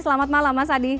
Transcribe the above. selamat malam mas adi